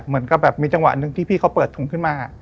เหมือนกับแบบมีจังหวะหนึ่งที่พี่เขาเปิดถุงขึ้นมา